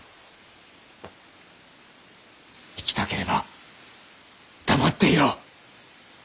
生きたければ黙っていろ。